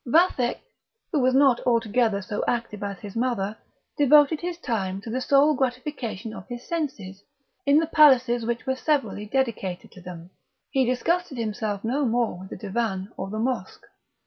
Vathek, who was not altogether so active as his mother, devoted his time to the sole gratification of his senses, in the palaces which were severally dedicated to them; he disgusted himself no more with the Divan or the Mosque.